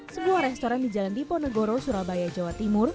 sebuah restoran di jalan diponegoro surabaya jawa timur